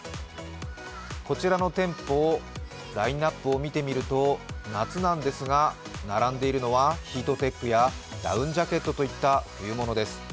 こちらの店舗のラインナップを見てみると、夏なんですが、並んでいるのはヒートテックやダウンジャケットといった冬物です。